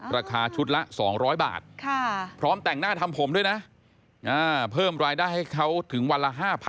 ราคาชุดละ๒๐๐บาทพร้อมแต่งหน้าทำผมด้วยนะเพิ่มรายได้ให้เขาถึงวันละ๕๐๐